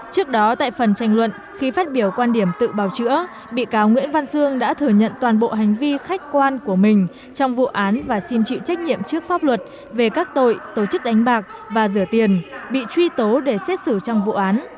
trước đó tại phần tranh luận khi phát biểu quan điểm tự bào chữa bị cáo nguyễn văn dương đã thừa nhận toàn bộ hành vi khách quan của mình trong vụ án và xin chịu trách nhiệm trước pháp luật về các tội tổ chức đánh bạc và rửa tiền bị truy tố để xét xử trong vụ án